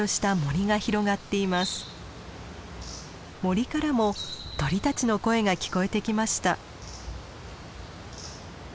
森からも鳥たちの声が聞こえてきました。